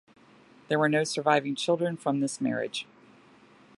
There were no surviving children from this marriage.